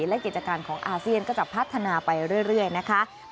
และกิจการของอาเซียนก็จะพัฒนาไปเรื่อยนะคะ